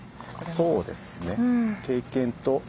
そうですね。